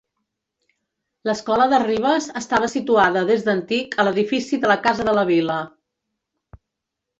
L'escola de Ribes estava situada des d'antic a l'edifici de la Casa de la Vila.